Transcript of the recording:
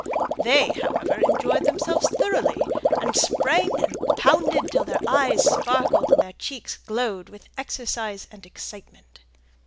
They, however, enjoyed themselves thoroughly, and sprang and bounded till their eyes sparkled and their cheeks glowed with exercise and excitement.